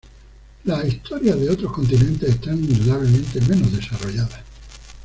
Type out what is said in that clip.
Las historias de otros continentes están indudablemente menos desarrolladas.